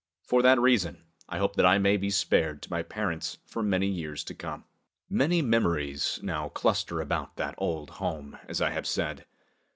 For that reason, I hope that I may be spared to my parents for many years to come. Many memories now cluster about that old home, as I have said.